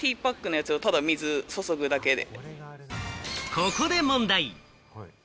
ここで問題。